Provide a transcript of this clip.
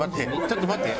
ちょっと待って。